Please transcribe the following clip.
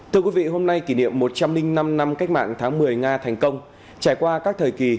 thưa quý vị hôm nay kỷ niệm một trăm linh năm năm cách mạng tháng một mươi nga thành công trải qua các thời kỳ